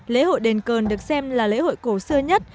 lễ hội đền cờ được xem là lễ hội cổ xưa nhất